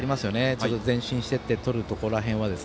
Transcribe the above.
ちょっと前進していってとるところらへんは。